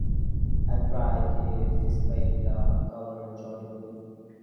At right is displayed the color jordy blue.